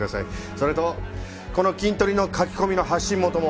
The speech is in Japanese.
それとこのキントリの書き込みの発信元も。